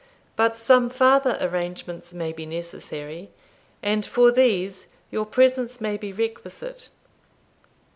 But some farther arrangements may be necessary, and for these your presence may be requisite.